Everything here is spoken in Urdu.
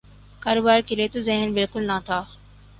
کاروبار کیلئے تو ذہن بالکل نہ تھا۔